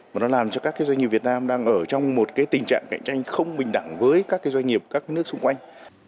mà nó làm cho các doanh nghiệp việt nam đang ở trong một cái tình trạng cạnh tranh không bình đẳng với các doanh nghiệp các nước xung quanh